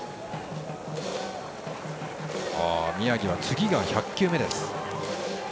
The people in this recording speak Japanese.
宮城は次が１００球目です。